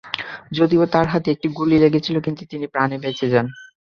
যদিও তাঁর হাতে একটি গুলি লেগেছিল, কিন্তু তিনি প্রাণে বেঁচে যান।